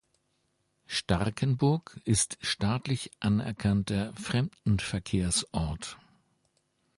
Starkenburg ist staatlich anerkannter Fremdenverkehrsort.